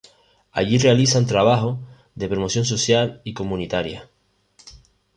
Allí realizan trabajo de promoción social y comunitaria.